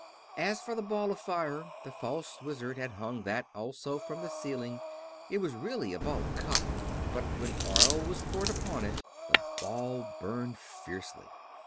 As for the Ball of Fire, the false Wizard had hung that also from the ceiling. It was really a ball of cotton, but when oil was poured upon it the ball burned fiercely.